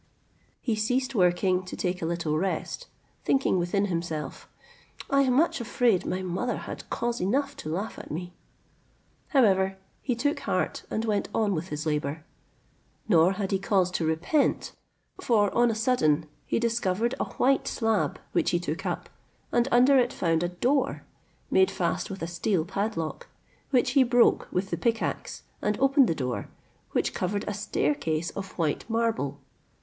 He ceased working to take a little rest, thinking within himself, "I am much afraid my mother had cause enough to laugh at me." However, he took heart, and went on with his labour, nor had he cause to repent; for on a sudden he discovered a white slab, which he took up, and under it found a door, made fast with a steel padlock, which he broke with the pick axe, and opened the door, which covered a staircase of white marble.